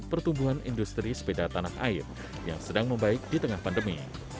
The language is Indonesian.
pertumbuhan industri sepeda tanah air yang sedang membaik di tengah pandemi